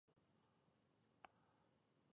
ایا ستاسو سهار وختي دی؟